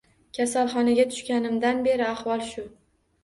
Kasalxonaga tushganimdan beri ahvol shu